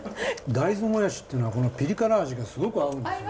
大豆もやしっていうのはこのピリ辛味がすごく合うんですね。